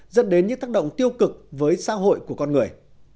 dẫn đến những tác động tiêu cực với xã hội của con người